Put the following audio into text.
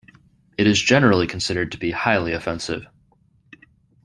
It is generally considered to be highly offensive.